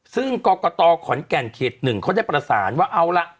ซึ่งกรกฏอขอนแก่นเขตหนึ่งเขาจะประสานว่าเอาล่ะ